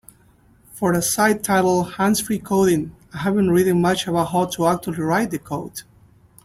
For a site titled Hands-Free Coding, I haven't written much about How To Actually Write The Code.